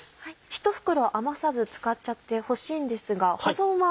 １袋余さず使っちゃってほしいんですが保存は？